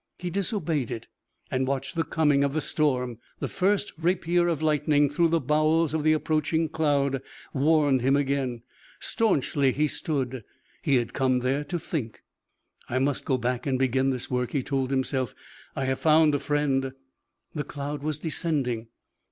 He disobeyed it and watched the coming of the storm. The first rapier of lightning through the bowels of the approaching cloud warned him again. Staunchly he stood. He had come there to think. "I must go back and begin this work," he told himself. "I have found a friend!" The cloud was descending.